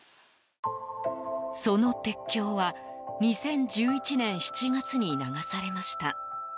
その鉄橋は２０１１年７月に流されました。